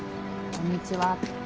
「こんにちは」って。